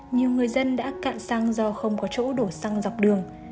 nhiều người dân đã cạn xăng do không có chỗ đổ xăng dọc đường